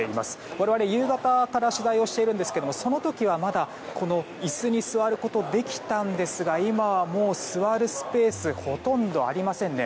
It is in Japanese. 我々、夕方から取材をしているんですがその時は、まだ椅子に座ることができたんですが今はもう座るスペースほとんどありませんね。